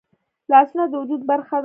لاسونه د وجود برخه ده